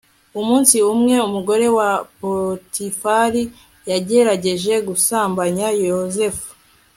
umunsi umwe umugore wa potifari yagerageje gusambanya yozefu